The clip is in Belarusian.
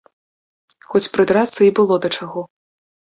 Хоць прыдрацца і было да чаго.